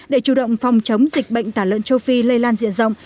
để chủ động phòng chống dịch bệnh tả lợn châu phi lây lan diện rộng